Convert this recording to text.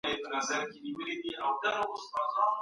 دا پایلې د اندېښنې وړ ګڼل کېږي.